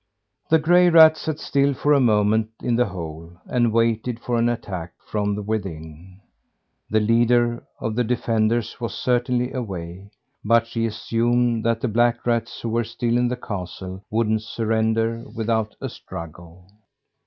The gray rat sat still for a moment in the hole, and waited for an attack from within. The leader of the defenders was certainly away, but she assumed that the black rats who were still in the castle wouldn't surrender without a struggle.